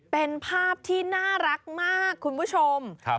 เป็นภาพที่น่ารักมากคุณผู้ชม